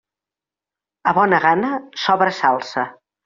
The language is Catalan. A bona gana, sobra salsa.